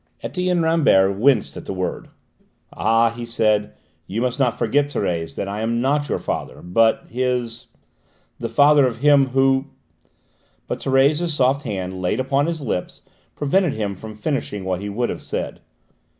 Etienne Rambert winced at the word. "Ah!" he said, "you must not forget, Thérèse, that I am not your father, but his: the father of him who " but Thérèse's soft hand laid upon his lips prevented him from finishing what he would have said.